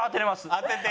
当てて！